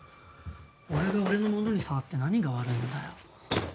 俺が俺のものに触って何が悪いんだよ。